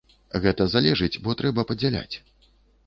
Гэта залежыць, бо трэба падзяляць.